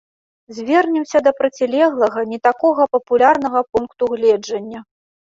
Звернемся да процілеглага, не такога папулярнага пункту гледжання.